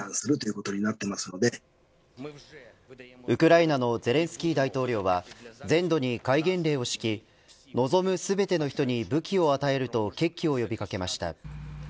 ウクライナのゼレンスキー大統領は全土に戒厳令を敷き望む全ての人に武器を与えると決起を呼び掛けました。